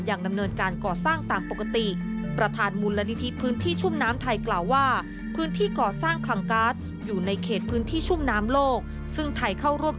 อย่างดำเนินการก่อสร้างตามปกติ